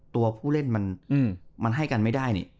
ตัวผู้เล่นมันให้กันไม่ได้นี่